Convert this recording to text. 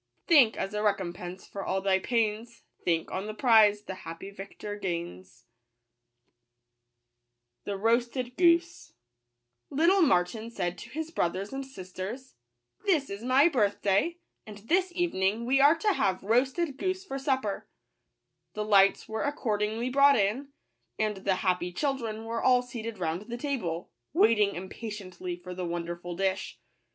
Think, as a recompense for all thy pains — Think on the prize the happy victor gains. I* 5 " 'T TZK.wjvvrn* ' t ? n i nwmw f ,ji ' t>j . 1 r w .n ®%e Mca*teb €roo*e* S T ITTLE Martin said to his brothers and sisters, " This is my birthday ; >J;; and this evening we are to have roasted goose for supper." The lights were accordingly brought in ; and the happy chil dren were all seated round the table, waiting impatiently for the wonderful dish.